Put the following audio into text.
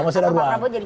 masih ada ruang